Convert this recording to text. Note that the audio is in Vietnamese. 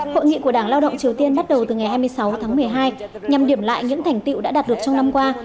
hội nghị của đảng lao động triều tiên bắt đầu từ ngày hai mươi sáu tháng một mươi hai nhằm điểm lại những thành tiệu đã đạt được trong năm qua